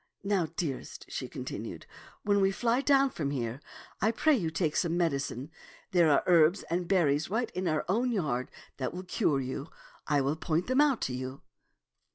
Now, dearest," she continued, " when we fly down from here, I pray you take some medicine. There are herbs and berries right in our own yard that will cure you. I will point them out to you."